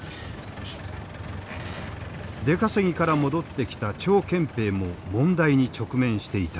出稼ぎから戻ってきた張建平も問題に直面していた。